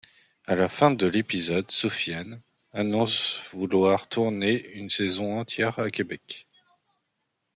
A la fin de l'épisode, Sofiane annonce vouloir tourner une saison entière à Québec.